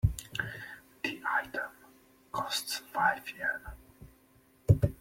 The item costs five Yen.